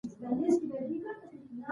مفهومونه لوستونکی فکر ته اړ باسي.